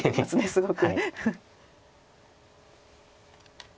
すごく。